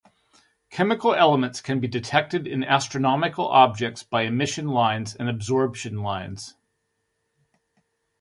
Chemical elements can be detected in astronomical objects by emission lines and absorption lines.